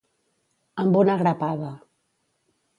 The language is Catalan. Amb una grapada.